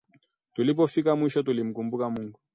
Tulipofika mwisho tulimkumbuka Mungu